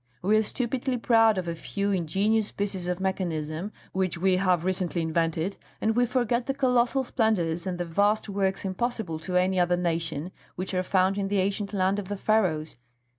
We are stupidly proud of a few ingenious pieces of mechanism which we have recently invented, and we forget the colossal splendours and the vast works impossible to any other nation, which are found in the ancient land of the Pharaohs.